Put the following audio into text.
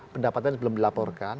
pendapatan belum dilaporkan